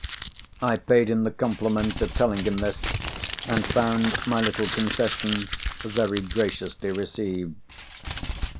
I paid him the compliment of telling him this, and found my little concession very graciously received.